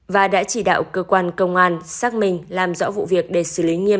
và đã chỉ đạo cơ quan công an xác minh làm rõ vụ việc để xử lý nghiêm